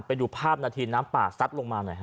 ไปดูภาพนาทีน้ำป่าซัดลงมาหน่อยฮ